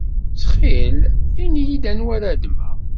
Ttxil ini-iyi-d anwa ara ddmeɣ.